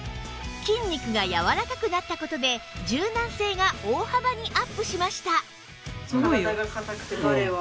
筋肉がやわらかくなった事で柔軟性が大幅にアップしました